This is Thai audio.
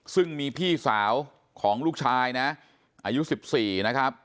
ซึ่งมีพี่สาวของลูกชายนะอายุ๑๔นะครับ